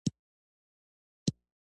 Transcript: زه د نورو بریاوو ته خوشحالیږم.